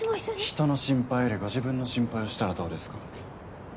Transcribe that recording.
人の心配よりご自分の心配をしたらどうですか？